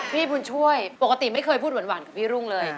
พี่บุญช่วยปกติไม่เคยพูดหวานกับพี่รุ่งเลย